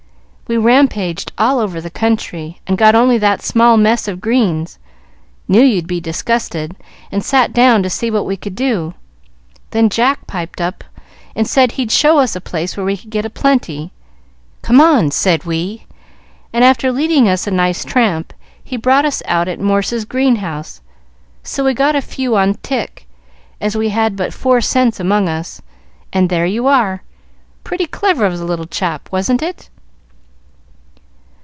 "We rampaged all over the country, and got only that small mess of greens. Knew you'd be disgusted, and sat down to see what we could do. Then Jack piped up, and said he'd show us a place where we could get a plenty. 'Come on,' said we, and after leading us a nice tramp, he brought us out at Morse's greenhouse. So we got a few on tick, as we had but four cents among us, and there you are. Pretty clever of the little chap, wasn't it?"